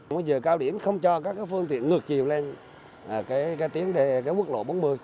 bây giờ cao điểm không cho các phương tiện ngược chiều lên cái tiến đề quốc lộ bốn mươi